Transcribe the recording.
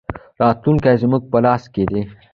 راتلونکی زموږ په لاس کې دی